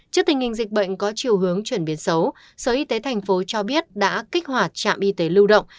trước tình hình dịch bệnh có chiều hướng chuyển biến xấu sở y tế thành phố cho biết đã kích hoạt trạm y tế lưu động